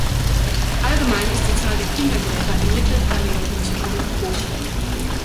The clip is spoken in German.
Allgemein ist die Zahl der Kindergräber im Mittelpaläolithikum hoch.